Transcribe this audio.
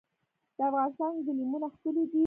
د افغانستان ګلیمونه ښکلي دي